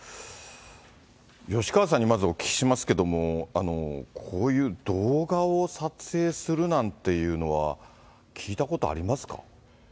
吉川さんにまずお聞きしますけれども、こういう動画を撮影するなんていうのは、聞いたことありますか？